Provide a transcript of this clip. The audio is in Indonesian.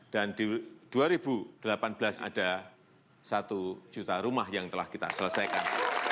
dan di dua ribu delapan belas ada satu juta rumah yang telah kita selesaikan